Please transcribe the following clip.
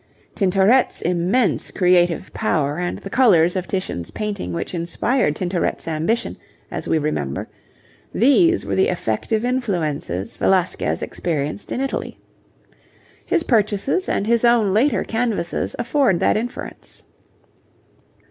Tintoret's immense creative power and the colours of Titian's painting which inspired Tintoret's ambition, as we remember these were the effective influences Velasquez experienced in Italy. His purchases and his own later canvases afford that inference.